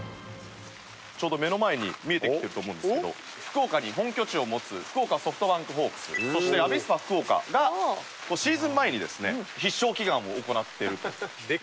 ちょうど目の前に見えてきてると思うんですけど福岡に本拠地を持つ福岡ソフトバンクホークスそしてアビスパ福岡がシーズン前にですね必勝祈願を行っていると。